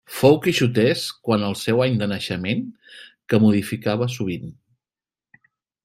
Fou quixotesc quant al seu any de naixement, que modificava sovint.